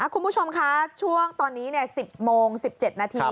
คุณผู้ชมคะช่วงตอนนี้๑๐โมง๑๗นาที